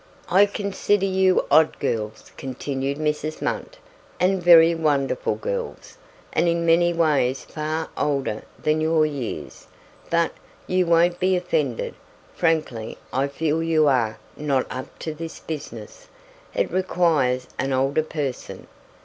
"I consider you odd girls," continued Mrs. Munt, "and very wonderful girls, and in many ways far older than your years. But you won't be offended? frankly I feel you are not up to this business. It requires an older person.